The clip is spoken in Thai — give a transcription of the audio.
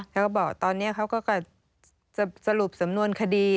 แล้วก็บอกตอนนี้เขาก็จะสรุปสำนวนคดี